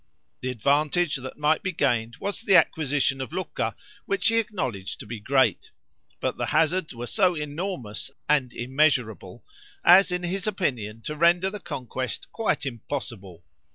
The advantage that might be gained was the acquisition of Lucca, which he acknowledged to be great; but the hazards were so enormous and immeasurable, as in his opinion to render the conquest quite impossible.